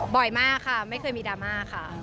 บ่อยมากไม่เคยมีดราม่า